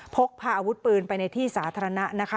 พกพาอาวุธปืนไปในที่สาธารณะนะคะ